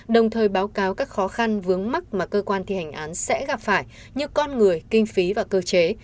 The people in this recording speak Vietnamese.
đồng thời báo cáo các khó khăn vướng mắt mà cơ quan thi hành án sẽ gặp phải như con người kinh phí và cơ chế